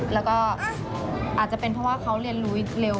แล้วก็อาจจะเป็นเพราะว่าเขาเรียนรู้เร็ว